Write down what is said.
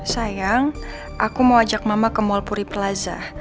sayang aku mau ajak mama ke mal puri plaza